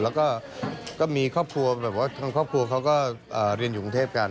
แล้วก็มีครอบครัวแบบว่าทางครอบครัวเขาก็เรียนอยู่กรุงเทพกัน